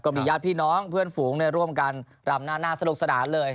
มีญาติพี่น้องเพื่อนฝูงร่วมกันรำหน้าสนุกสนานเลย